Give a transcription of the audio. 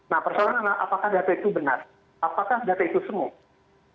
nah persoalan apakah data itu benar apakah data itu smoke